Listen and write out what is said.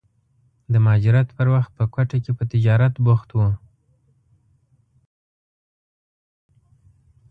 د مهاجرت پر وخت په کوټه کې په تجارت بوخت و.